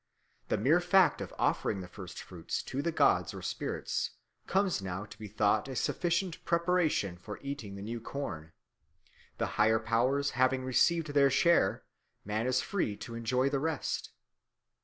The mere fact of offering the first fruits to the gods or spirits comes now to be thought a sufficient preparation for eating the new corn; the higher powers having received their share, man is free to enjoy the rest.